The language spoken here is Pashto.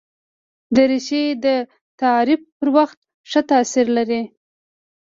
دریشي د تعارف پر وخت ښه تاثیر لري.